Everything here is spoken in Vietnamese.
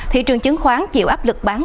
thị trường chứng khoán chịu áp lực bán